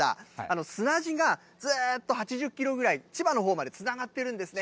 砂地がずっと８０キロぐらい、千葉のほうまでつながってるんですね。